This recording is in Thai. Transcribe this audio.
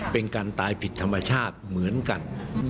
เป็นการตายผิดธรรมชาติเหมือนกัน